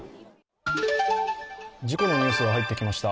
事故のニュースが入ってきました。